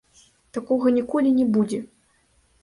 Такога ніколі не будзе!